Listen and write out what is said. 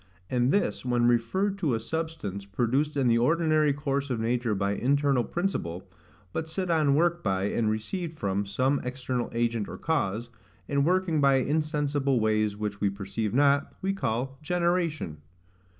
And this, when referred to a substance, produced in the ordinary course of nature by internal principle, but set on work by, and received from, some external agent, or cause, and working by insensible ways which we perceive not, we call GENERATION.